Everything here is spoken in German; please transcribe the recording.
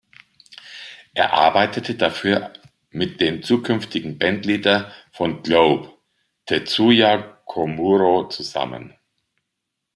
Er arbeitete dafür mit dem zukünftigen Bandleader von Globe, Tetsuya Komuro, zusammen.